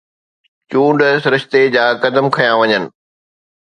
چونڊ سرشتي جا قدم کنيا وڃن